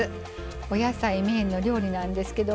お野菜メインの料理なんですけど